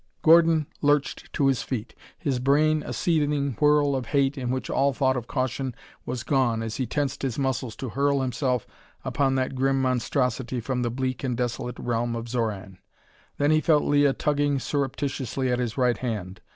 Gordon lurched to his feet, his brain a seething whirl of hate in which all thought of caution was gone as he tensed his muscles to hurl himself upon that grim monstrosity from the bleak and desolate realm of Xoran. Then he felt Leah tugging surreptitiously at his right hand.